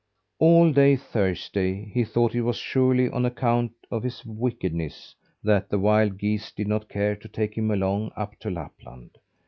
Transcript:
All day Thursday he thought it was surely on account of his wickedness that the wild geese did not care to take him along up to Lapland.